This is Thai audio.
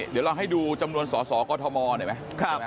เดี๋ยวลองให้ดูจำนวนสสก็อทมได้ไหม